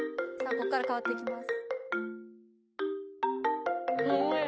ここから変わっていきます